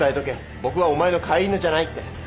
僕はお前の飼い犬じゃないって。